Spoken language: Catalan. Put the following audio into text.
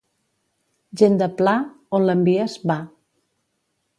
Gent de pla, on l'envies, va.